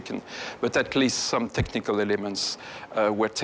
คุณภาพธรรมดาเป็นสิ่งที่สงสัย